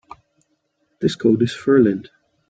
This coat is fur-lined.